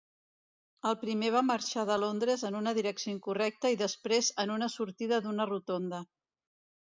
El primer va marxar de Londres en la direcció incorrecta i després en una sortida d'una rotonda.